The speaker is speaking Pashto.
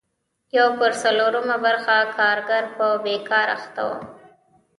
یو پر څلورمه برخه کارګر په بېګار اخته وو.